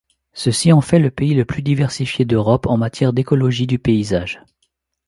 Ceci en fait le pays le plus diversifié d'Europe en matière d'écologie du paysage.